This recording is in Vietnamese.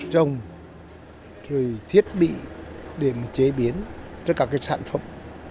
trồng rồi thiết bị để chế biến cho các sản phẩm